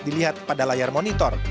dilihat pada layar monitor